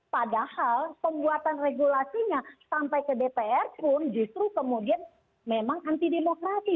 padahal pembuatan regulasinya sampai ke dpr pun justru kemudian memang anti demokrasi